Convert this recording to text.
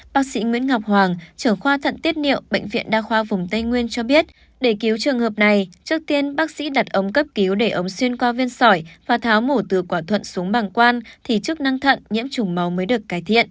bác sĩ nguyễn ngọc hoàng trưởng khoa thận tiết niệu bệnh viện đa khoa vùng tây nguyên cho biết để cứu trường hợp này trước tiên bác sĩ đặt ống cấp cứu để ống xuyên qua viên sỏi và tháo mổ từ quả thuận xuống bằng quan thì chức năng thận nhiễm trùng máu mới được cải thiện